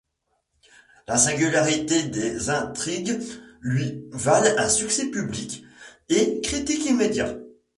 La singularité des intrigues lui valent un succès public et critique immédiat.